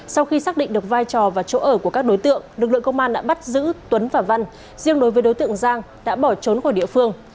sau khi xác định được vai trò và chỗ ở của các đối tượng lực lượng công an đã bắt giữ tuấn và văn riêng đối với đối tượng giang đã bỏ trốn khỏi địa phương